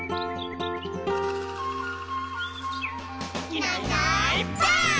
「いないいないばあっ！」